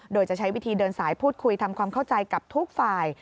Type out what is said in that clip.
โดยจะใช้วิธีเดินสายพูดคุยทำความเข้าใจกับทุกฝ่าย